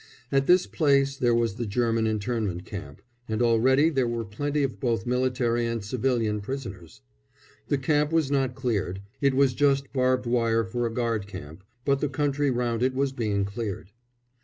At this place there was the German internment camp, and already there were plenty of both military and civilian prisoners. The camp was not cleared it was just barbed wire for a guard camp but the country round it was being cleared.